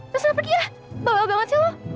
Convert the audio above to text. terus nggak pergi ya bawel banget sih lo